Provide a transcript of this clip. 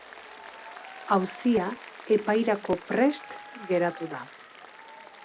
Auzia epairako prest geratu da.